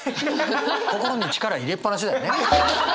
心に力入れっぱなしだよね。